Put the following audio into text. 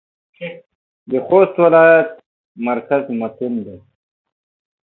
زاویه لرونکی جغل په قیر سرکونو کې استعمالیږي